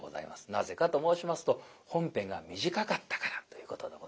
なぜかと申しますと本編が短かったからということでございます。